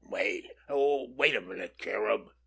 "Wait—wait a minute, Cherub!"